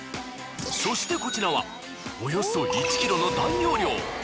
そしてこちらはおよそ１ｋｇの大容量！